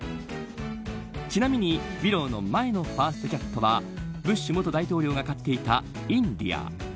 ちなみに、ウィローの前のファーストキャットはブッシュ元大統領が飼っていたインディア。